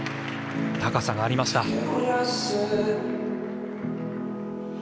高さがありました。